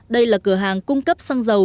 đây là cửa hàng cung cấp xăng dầu